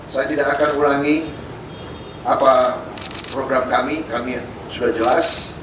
saya tidak akan ulangi apa program kami kami sudah jelas